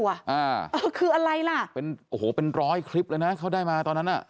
อ่าเออคืออะไรล่ะเป็นโอ้โหเป็นร้อยคลิปเลยนะเขาได้มาตอนนั้นอ่ะ